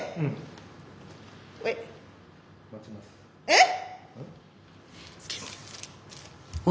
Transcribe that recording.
えっ！